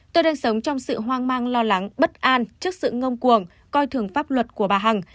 tôi đang sống trong sự hoang mang lo lắng bất an trước sự ngông cuồng coi thường pháp luật của bà hằng